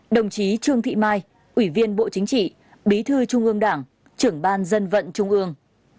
bảy đồng chí trương thị mai ủy viên bộ chính trị bí thư trung ương đảng trưởng ban tổ chức trung ương